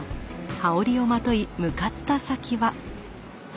羽織をまとい向かった先は。